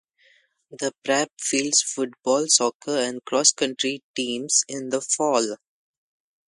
The Prep fields football, soccer and cross country teams in the fall.